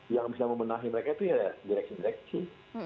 yang bisa membenahi mereka itu ya direksi direksi